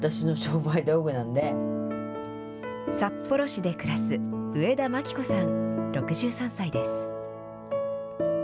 札幌市で暮らす植田万喜子さん６３歳です。